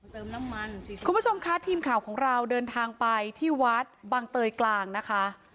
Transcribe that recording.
เติมน้ำมันคุณผู้ชมค่ะทีมข่าวของเราเดินทางไปที่วัดบังเตยกลางนะคะ